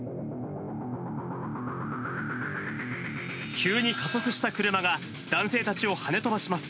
急に加速した車が男性たちをはね飛ばします。